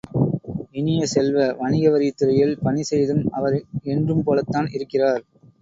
இனிய செல்வ, வணிக வரித்துறையில் பணி செய்தும் அவர் என்றும் போலத்தான் இருக்கிறார்.